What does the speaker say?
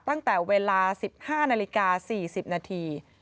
ตั้งแต่เวลา๑๕นาฬิกา๔๐นาที